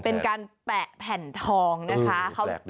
เป็นการแปะแผ่นทองนะคะ